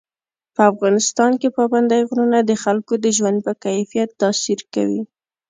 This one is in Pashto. په افغانستان کې پابندی غرونه د خلکو د ژوند په کیفیت تاثیر کوي.